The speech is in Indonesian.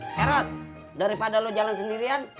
herot daripada lo jalan sendirian